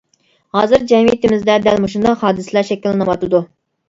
ھازىر جەمئىيىتىمىزدە دەل مۇشۇنداق ھادىسىلەر شەكىللىنىۋاتىدۇ.